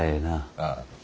ああ。